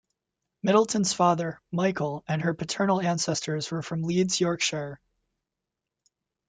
Middleton's father, Michael, and her paternal ancestors were from Leeds, Yorkshire.